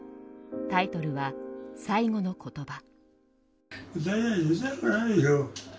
タイトルは「“最期の言葉”」。